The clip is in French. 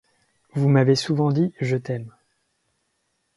Vous m'avez souvent dit : je t'aime. !